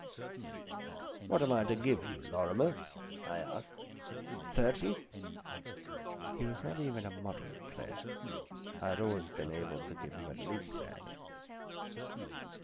" What am I to give you, Lorrimer ?" I asked. " Thirty ?" He was not even a moderate player. I had always been able to give him at least that.